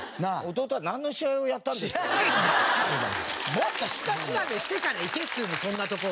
もっと下調べしてから行けっつうのそんなとこは。